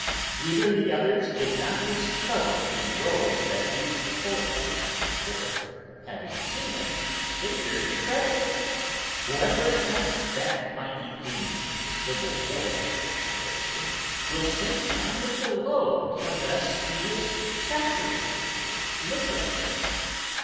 Either the others did not discover the road that leads to poetry, or, having seen, they feared to tread it. Whoever attempts that mighty theme, the civil war, for instance, will sink under the load unless he is saturated with literature.